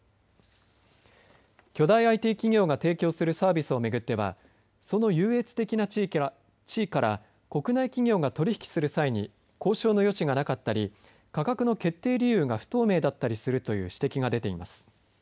巨大ＩＴ企業が提供するサービスを巡ってはその優越的な地位から国内企業が取り引きする際に交渉の余地がなかったり価格の決定理由が不透明だったりするという指摘が出ています。